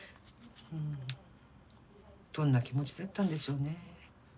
どんな気持ちだったんでしょうね。